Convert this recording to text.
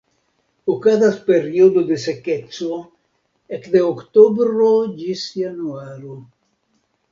Okazas periodo de sekeco ekde oktobro ĝis januaro.